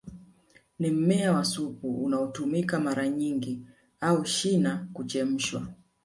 Ni mmea wa supu unaotumika mara nyingi au shina huchemshwa